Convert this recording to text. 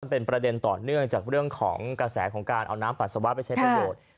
เป็นประเด็นต่อเนื่องจากเรื่องของกระแสของการเอาน้ำปัสสาวะไปใช้ประโยชน์